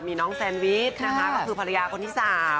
มีน้องแซนวิชนะคะก็คือภรรยาคนที่๓